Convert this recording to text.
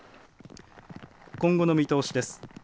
今後の見通しです。